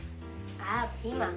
ああピーマン。